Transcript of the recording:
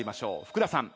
福田さん